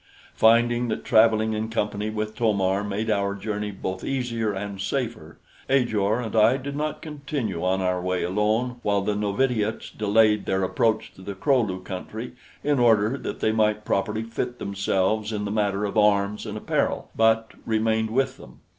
Finding that traveling in company with To mar made our journey both easier and safer, Ajor and I did not continue on our way alone while the novitiates delayed their approach to the Kro lu country in order that they might properly fit themselves in the matter of arms and apparel, but remained with them.